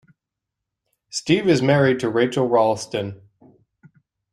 Steve is married to Rachel Ralston.